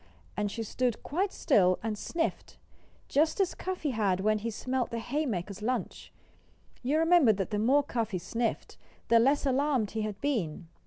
And she stood quite still, and sniffed, just as Cuffy had when he smelled the haymakers' lunch. You remember that the more Cuffy sniffed, the less alarmed he had been.